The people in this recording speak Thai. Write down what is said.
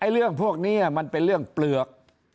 เรื่องพวกนี้มันเป็นเรื่องเปลือก